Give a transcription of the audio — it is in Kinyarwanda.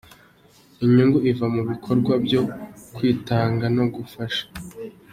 Inyungu iva mu bikorwa byo kwitanga no gufasha .